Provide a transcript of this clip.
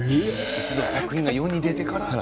一度、作品が世に出てから。